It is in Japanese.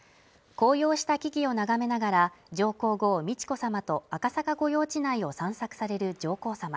紅葉した木々を眺めながら上皇后美智子さまと赤坂御用地内を散策される上皇さま